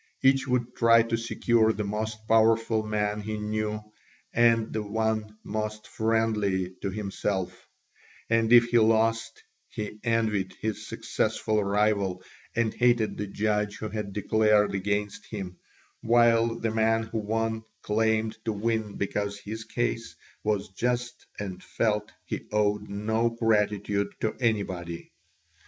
Each would try to secure the most powerful man he knew and the one most friendly to himself, and if he lost he envied his successful rival and hated the judge who had declared against him, while the man who won claimed to win because his case was just and felt he owed no gratitude to anybody.